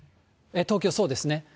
東京、そうですね。